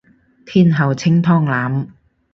天后清湯腩